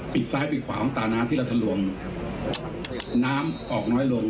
ปิดซ้ายปิดขวามันตาน้ำที่รัฐลวงน้ำออกน้อยลง